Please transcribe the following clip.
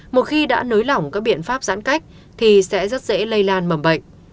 một khi đã nới lỏng các biện pháp giãn cách thì sẽ rất dễ lây lan mầm bệnh